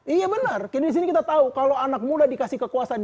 iya bener dari sini kita tau kalau anak muda dikasih kekuasaan